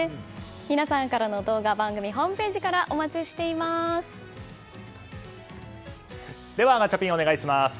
皆さんからの動画は番組ホームページからでは、ガチャピンお願いします。